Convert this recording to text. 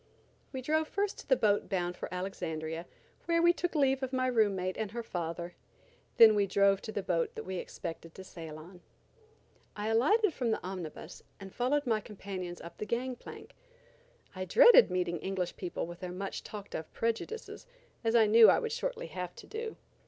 We drove first to the boat bound for Alexandria, where we took leave of my room mate, and her father. Then we drove to the boat that we expected to sail on. I alighted from the omnibus, and followed my companions up the gang plank. I dreaded meeting English people with their much talked of prejudices, as I knew I would shortly have to do.